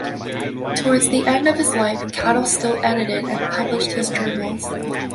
Towards the end of his life, Cattell still edited and published his journals.